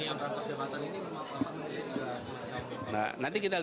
yang berantakan kejahatan ini